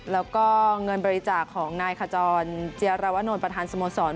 แล้วก็เงินบริจาคของนายขจรเจียรวนลประธานสโมสร